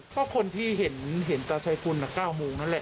ก็คนที่เห็นตาชัยคุณ๙โมงนั่นแหละ